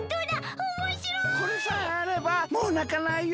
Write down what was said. これさえあればもうなかないよ。